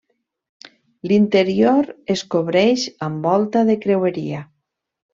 L'interior es cobreix amb volta de creueria.